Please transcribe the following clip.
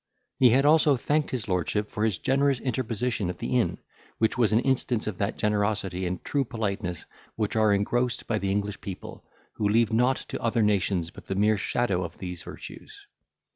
He had also thanked his lordship for his generous interposition at the inn, which was an instance of that generosity and true politeness which are engrossed by the English people, who leave nought to other nations but the mere shadow of these virtues.